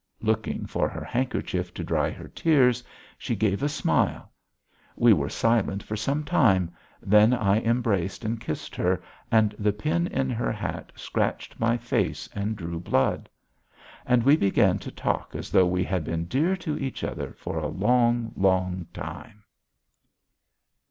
Looking for her handkerchief to dry her tears, she gave a smile; we were silent for some time, then I embraced and kissed her, and the pin in her hat scratched my face and drew blood. And we began to talk as though we had been dear to each other for a long, long time.